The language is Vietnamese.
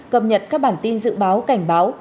cập nhật các bản tin dự báo cảnh báo